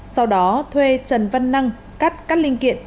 sau đó thuê trần văn năng cắt các linh kiện